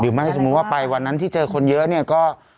ไม่สมมุติว่าไปวันนั้นที่เจอคนเยอะเนี่ยก็